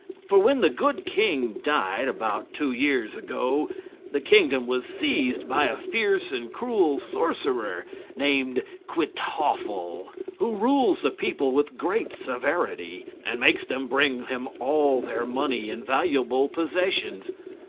For when the good king died, about two years ago, the kingdom was seized by a fierce and cruel sorcerer, named Kwytoffle, who rules the people with great severity, and makes them bring him all their money and valuable possessions.